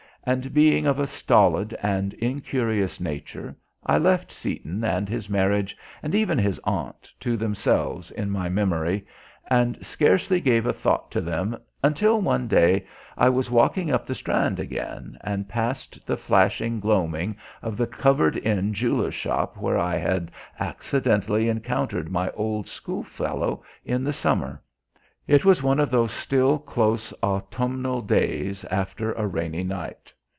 And being of a stolid and incurious nature, I left Seaton and his marriage, and even his aunt, to themselves in my memory, and scarcely gave a thought to them until one day I was walking up the Strand again, and passed the flashing gloaming of the covered in jeweller's shop where I had accidentally encountered my old schoolfellow in the summer. It was one of those still close autumnal days after a rainy night.